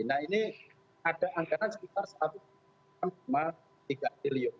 nah ini ada anggaran sekitar rp satu tiga triliun